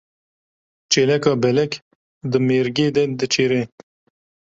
Çêleka belek di mêrgê de diçêre.